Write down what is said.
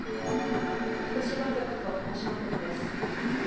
福島局と鹿児島局です。